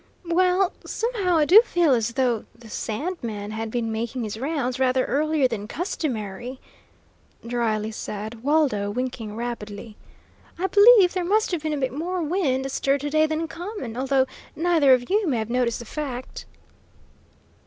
"Well, somehow I do feel as though 'the sandman' had been making his rounds rather earlier than customary," dryly said Waldo, winking rapidly. "I believe there must have been a bit more wind astir to day than common, although neither of you may have noticed the fact."